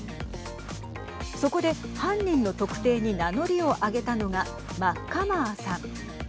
そこで犯人の特定に名乗りを上げたのがマッカマーさん。